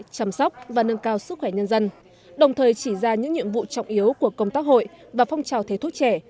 chăm sóc và nâng cao sức khỏe nhân dân đồng thời chỉ ra những nhiệm vụ trọng yếu của công tác hội và phong trào thầy thuốc trẻ